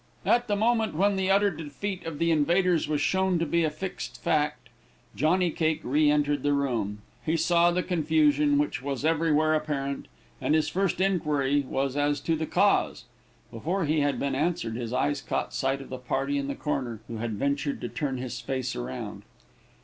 At the moment when the utter defeat of the invaders was shown to be a fixed fact, Johnny Cake reëntered the room. He saw the confusion which was everywhere apparent, and his first inquiry was as to the cause. Before he had been answered his eyes caught a sight of the party in the corner, who had ventured to turn his face around.